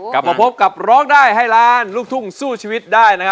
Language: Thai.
กลับมาพบกับร้องได้ให้ล้านลูกทุ่งสู้ชีวิตได้นะครับ